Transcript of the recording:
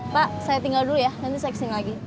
pak saya tinggal dulu ya nanti saya kesini lagi